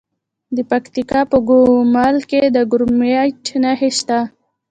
د پکتیکا په ګومل کې د کرومایټ نښې شته.